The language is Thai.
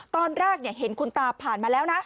ตอนแรกเห็นคุณตาผ่านมาแล้วนะ